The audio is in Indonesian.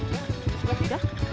ya sudah sudah